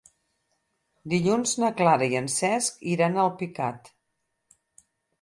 Dilluns na Clara i en Cesc iran a Alpicat.